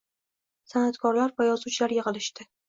san’atkorlar va yozuvchilar yig‘ilishdi.